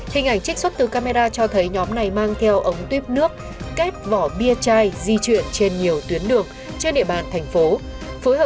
hình ảnh trích xuất từ camera cho thấy nhóm này mang theo ống tuyếp nước kép vỏ bia chai di chuyển trên nhiều tuyến đường trên địa bàn thành phố